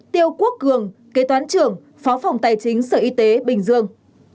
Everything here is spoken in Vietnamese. tiêu quốc cường kế toán trưởng phó phòng tài chính sở y tế bình dương